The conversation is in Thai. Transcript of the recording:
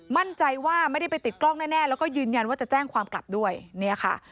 มั่นใจว่าไม่ได้ไปติดกล้องแน่แล้วก็ยืนยันว่าจะแจ้งความกลับด้วยเนี่ยค่ะ